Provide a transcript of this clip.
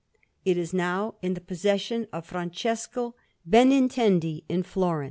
It is now in the possession of Francesco Benintendi, in Florence.